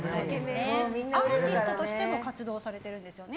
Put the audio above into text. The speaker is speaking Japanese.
アーティストとしても活動されてるんですよね。